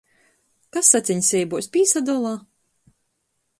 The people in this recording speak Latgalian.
Kas saceņseibuos pīsadola?